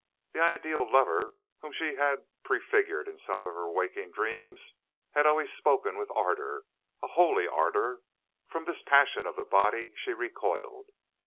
The ideal lover whom she had prefigured in some of her waking dreams had always spoken with ardor a holy ardor. From this passion of the body she recoiled.